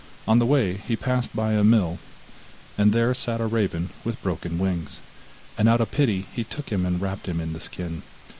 On the way he passed by a mill, and there sat a raven with broken wings, and out of pity he took him and wrapped him in the skin.